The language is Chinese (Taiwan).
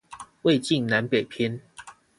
魏晉南北篇